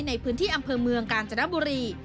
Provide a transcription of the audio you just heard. ในพื้นที่อำเภอเมืองกาญจนบุรี